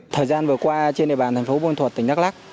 thời gian vừa qua trên địa bàn thành phố bùa ma thuật tỉnh đắk lắc